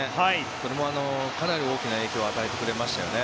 それもかなり大きな影響を与えてくれましたよね。